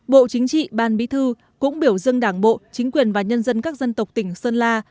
bộ chính trị ban bí thư cũng biểu dân đảng bộ chính quyền và nhân dân các dân tộc tỉnh sơn la